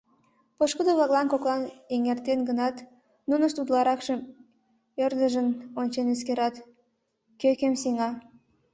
Пошкудо-влаклан коклан эҥертет гынат, нунышт утларакшым ӧрдыжын ончен эскерат: кӧ кӧм сеҥа?